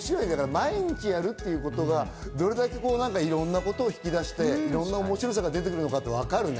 毎日やるっていうことが、どれだけいろんなことを引き出して、いろんな面白さが出てくるのかっていうのは分かるね。